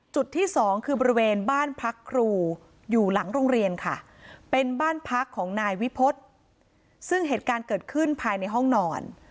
จุดที่สองคือบริเวณบ้านพักครูอยู่หลังโรงเรียนค่ะเป็นบ้านพักของนายวิพฤษซึ่งเหตุการณ์เกิดขึ้นภายในห้องนอน